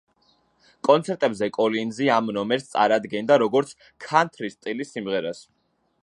კონცერტებზე კოლინზი ამ ნომერს წარადგენდა, როგორც ქანთრის სტილის სიმღერას.